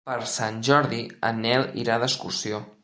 Per Sant Jordi en Nel irà d'excursió.